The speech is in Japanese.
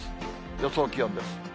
予想気温です。